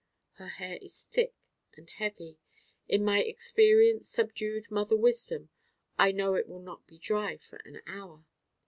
Her hair is thick and heavy. In my experienced subdued mother wisdom I know it will not be dry for an hour.